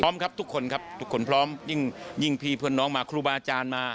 พร้อมครับทุกคนครับทุกคนพร้อมยิ่งพี่เพื่อนน้องมาครูบาอาจารย์มา